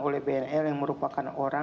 oleh bl yang merupakan orang